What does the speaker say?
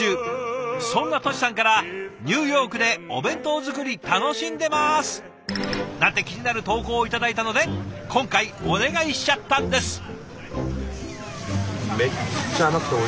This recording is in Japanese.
そんなトシさんから「ニューヨークでお弁当作り楽しんでます」なんて気になる投稿を頂いたので今回お願いしちゃったんです。